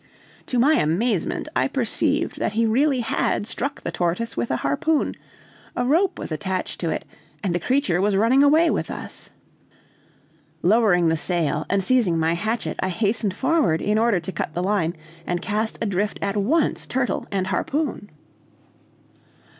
To my amazement, I perceived that he really had struck the tortoise with a harpoon; a rope was attached to it, and the creature was running away with us. Lowering the sail and seizing my hatchet, I hastened forward, in order to cut the line, and cast adrift at once turtle and harpoon.